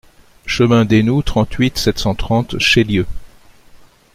Chemin d'Eynoud, trente-huit, sept cent trente Chélieu